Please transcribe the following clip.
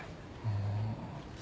うん。